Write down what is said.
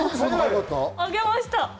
上げました。